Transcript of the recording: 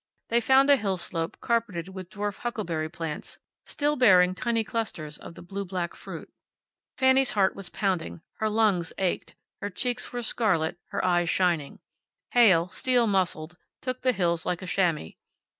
They found a hill slope carpeted with dwarf huckleberry plants, still bearing tiny clusters of the blue black fruit. Fanny's heart was pounding, her lungs ached, her cheeks were scarlet, her eyes shining. Heyl, steel muscled, took the hills like a chamois.